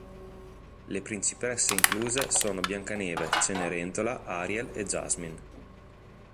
Le principesse incluse sono Biancaneve, Cenerentola, Ariel e Jasmine.